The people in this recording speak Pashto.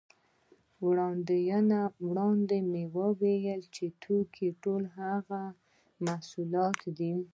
وړاندې مو وویل چې توکي ټول هغه محصولات دي